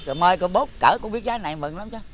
rồi mơ cơ bốt cỡ cũng biết giá này mừng lắm chứ